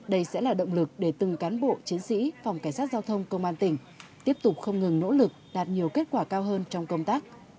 đây sẽ là động lực để từng cán bộ chiến sĩ phòng cảnh sát giao thông công an tỉnh tiếp tục không ngừng nỗ lực đạt nhiều kết quả cao hơn trong công tác